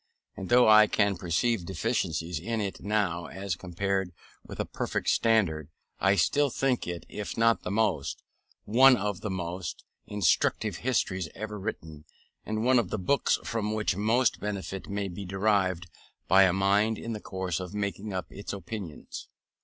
And though I can perceive deficiencies in it now as compared with a perfect standard, I still think it, if not the most, one of the most instructive histories ever written, and one of the books from which most benefit may be derived by a mind in the course of making up its opinions.